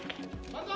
万歳！